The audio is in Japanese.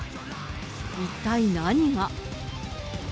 一体何が。